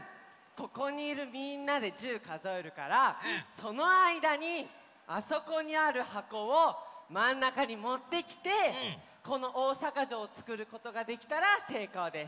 ここにいるみんなで１０かぞえるからそのあいだにあそこにあるはこをまんなかにもってきてこのおおさかじょうをつくることができたらせいこうです。